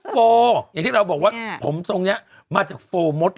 ฟล์อย่างที่เราบอกว่าผมทรงเนี้ยมาจากโฟร์มดเลย